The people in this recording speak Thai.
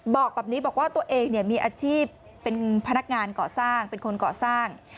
บอกแบบนี้บอกว่าตัวเองมีอาชีพเป็นพนักงานก่อสร้างเป็นคนก่อสร้าง